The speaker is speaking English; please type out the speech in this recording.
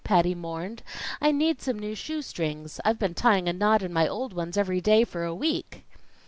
Patty mourned. "I need some new shoe strings. I've been tying a knot in my old ones every day for a week."